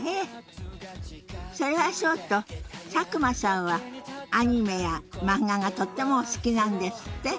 それはそうと佐久間さんはアニメや漫画がとってもお好きなんですって？